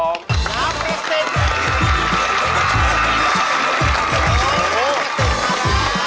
น้าประสิทธิ์